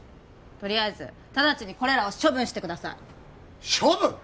とりあえず直ちにこれらを処分してください処分！？